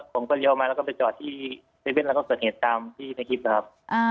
ผมก็เลี้ยวมาแล้วก็ไปจอดที่๗๑๑แล้วก็เกิดเหตุตามที่ในคลิปนะครับ